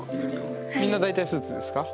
みんな大体スーツですか？